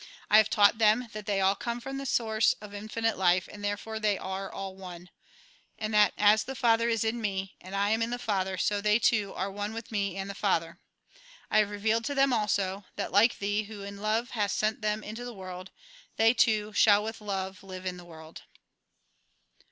I have taught them that they all come from the source of infinite life, and therefore they are all one ; and that as the Father is in me, and I am in the Father, so they, too, are one with me and the Father. I have revealed to them also, that, like Thee, who in love hast sent them into the world, they, too, shall with love live in the world."